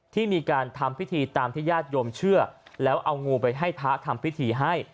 ที่มีการทำพิธีตามที่ญาติโยมเชื่อแล้วเอางูไปให้พระทำพิธีให้